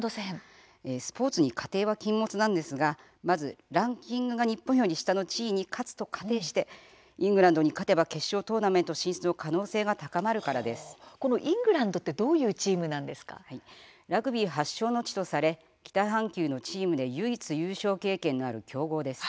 スポーツに仮定は禁物なんですがまずランキングが日本より下のチリに勝つと仮定してイングランドに勝てば決勝トーナメント進出の可能性がイングランドはイングランドはラグビー発祥の地で北半球のチームで唯一優勝経験のある強豪です。